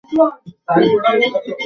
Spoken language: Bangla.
কি ভেবেছিলে তুমি আমার ব্যাপারে?